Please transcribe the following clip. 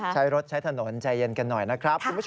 ใช้รถใช้ถนนใจเย็นกันหน่อยนะครับ